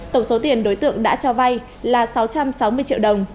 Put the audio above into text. tổng số tiền đối tượng đã cho vay là sáu trăm sáu mươi triệu đồng